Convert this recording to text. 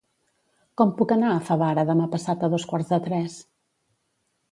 Com puc anar a Favara demà passat a dos quarts de tres?